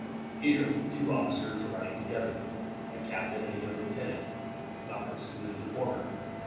Here two officers were riding together, a captain and a young lieutenant. Malcolm saluted the former.